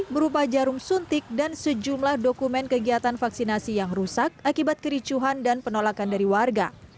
berupa jarum suntik dan sejumlah dokumen kegiatan vaksinasi yang rusak akibat kericuhan dan penolakan dari warga